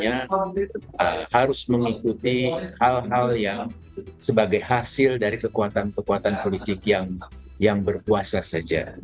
harus mengikuti hal hal yang sebagai hasil dari kekuatan kekuatan politik yang berpuasa saja